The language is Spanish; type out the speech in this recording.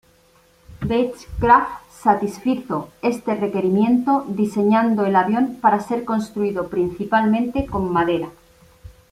Beechcraft satisfizo este requerimiento diseñando el avión para ser construido principalmente con madera.